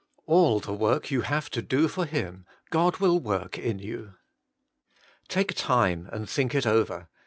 All the zi'ork you have to do for Him, God will work in you. Take time and think it over.